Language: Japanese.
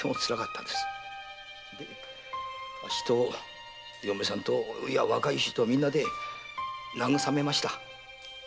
あっしと嫁さんと若い衆みんなでなぐさめました。